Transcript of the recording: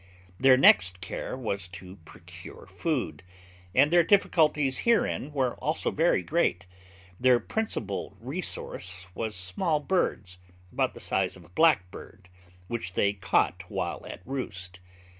Their next care was to procure food, and their difficulties herein were also very great; their principal resource was small birds, about the size of a blackbird, which they caught while at roost.